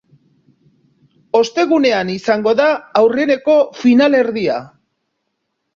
Ostegunean izango da aurreneko finalerdia.